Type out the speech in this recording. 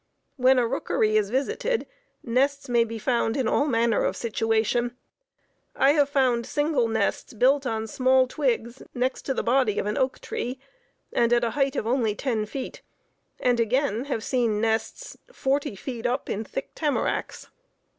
When a rookery is visited, nests may be found in all manner of situation. I have found single nests built on small twigs next the body of an oak tree, and at a height of only ten feet, and again have seen nests forty feet up in thick tamaracks.